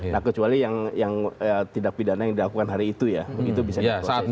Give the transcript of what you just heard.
nah kecuali yang tindak pidana yang dilakukan hari itu ya begitu bisa diproses